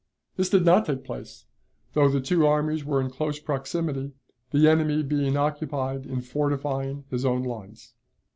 This did not take place, though the two armies were in close proximity, the enemy being occupied in fortifying his own lines.